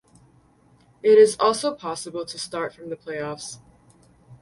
It is also possible to start from the playoffs.